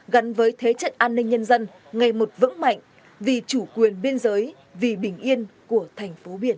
gắn với thế trận an ninh nhân dân ngày một vững mạnh vì chủ quyền biên giới vì bình yên của thành phố biển